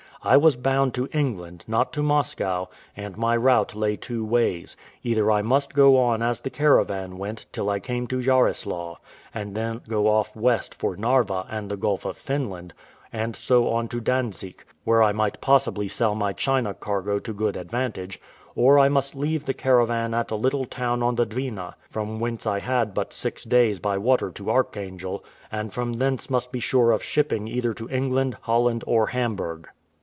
I was bound to England, not to Moscow, and my route lay two ways: either I must go on as the caravan went, till I came to Jarislaw, and then go off west for Narva and the Gulf of Finland, and so on to Dantzic, where I might possibly sell my China cargo to good advantage; or I must leave the caravan at a little town on the Dwina, from whence I had but six days by water to Archangel, and from thence might be sure of shipping either to England, Holland, or Hamburg.